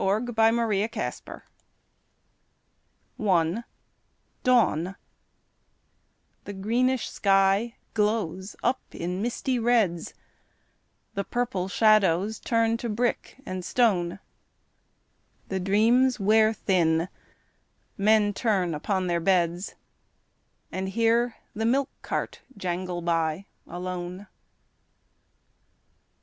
City Vignettes I Dawn The greenish sky glows up in misty reds, The purple shadows turn to brick and stone, The dreams wear thin, men turn upon their beds, And hear the milk cart jangle by alone.